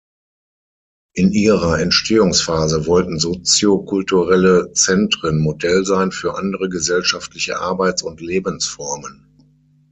In ihrer Entstehungsphase wollten Soziokulturelle Zentren Modell sein für andere gesellschaftliche Arbeits- und Lebensformen.